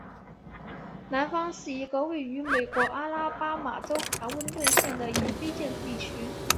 南方是一个位于美国阿拉巴马州卡温顿县的非建制地区。